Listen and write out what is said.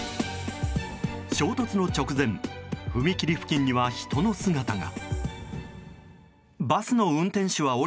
衝突の直前踏切付近には人の姿が。